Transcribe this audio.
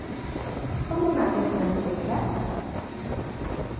Como nace Estranxeiras?